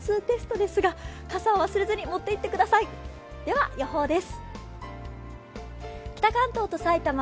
では予報です。